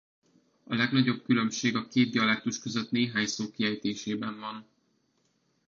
A legnagyobb különbség a két dialektus között néhány szó kiejtésében van.